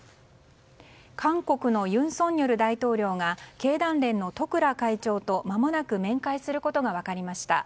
韓国の尹錫悦大統領が経団連の十倉会長とまもなく面会することが分かりました。